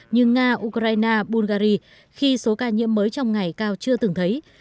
như nga ukraine bulgari khi số ca nhiễm mới trong ngày cao chưa từng thấy